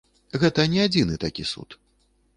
Гэта не адзіны такі суд.